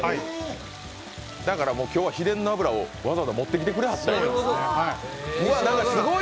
今日は秘伝の油をわざわざ持ってきてくれはったんだ。